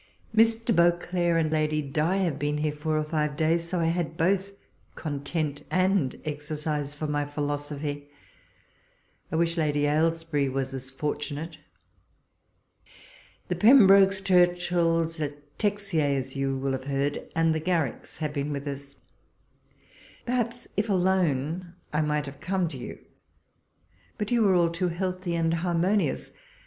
Mr. Beauclerk and Lady Di have been here four or five days — so I had both content and ex ercise for my philosophy. I wish Lady Ailes bury was as fortunate ! The Pembrokcs, Churchills, Le Texier, as you will have heard, and the Garricks have been with us. Perhaps, if alone, I might have come to you ; but you are all too healthy and harmonious.